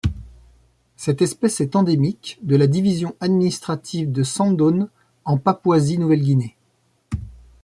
Cette espèce est endémique de la division administrative de Sandaun en Papouasie-Nouvelle-Guinée.